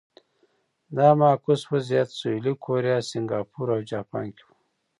دا معکوس وضعیت سویلي کوریا، سینګاپور او جاپان کې و.